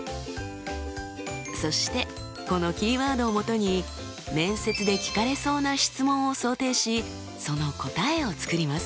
そしてこのキーワードをもとに面接で聞かれそうな質問を想定しその答えを作ります。